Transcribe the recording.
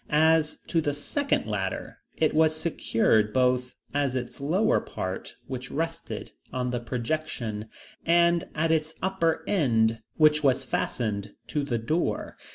As to the second ladder, it was secured both at its lower part, which rested on the projection, and at its upper end, which was fastened to the door.